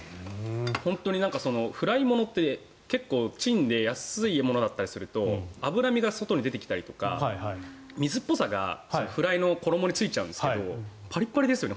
フライ物って結構、チンで安いものだったりすると脂身が外に出てきたりとか水っぽさがフライの衣についちゃうんですよね。